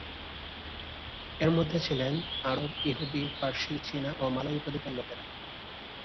এঁদের মধ্যে ছিলেন আরব, ইহুদি, পারসি, চীনা ও মালয় উপদ্বীপের লোকেরা।